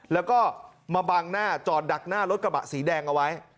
แล้วก็มาบังหน้าจอดดักหน้ารถกระบะสีแดงเอาไว้